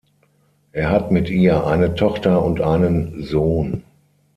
Er hat mit ihr eine Tochter und einen Sohn.